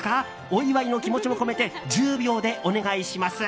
お祝いの気持ちも込めて１０秒でお願いします。